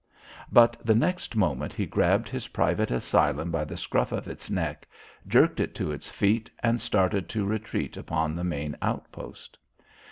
But the next moment he grabbed his private asylum by the scruff of its neck, jerked it to its feet and started to retreat upon the main outpost.